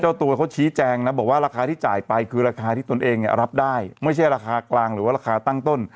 ตัวเขาชี้แจงนะบอกว่าราคาที่จ่ายไปคือราคาที่ตนเองรับได้ไม่ใช่ราคากลางหรือว่าราคาตั้งต้น